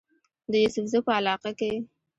د يوسفزو پۀ علاقه کې